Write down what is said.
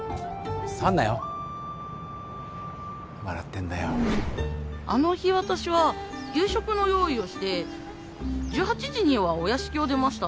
触るなよ笑ってんだよあの日私は夕食の用意をして１８時にはお屋敷を出ました